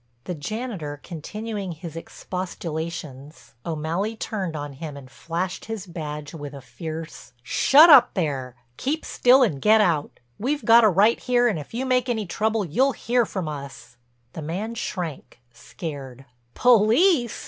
The janitor continuing his expostulations, O'Malley turned on him and flashed his badge with a fierce: "Shut up there. Keep still and get out. We've got a right here and if you make any trouble you'll hear from us." The man shrank, scared. "Police!"